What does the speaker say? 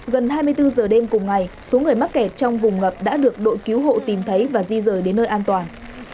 gần hai mươi bốn giờ đêm cùng ngày số người mắc kẹt trong vùng ngập đã được đội cứu hộ tìm thấy và di rời đến nơi an toàn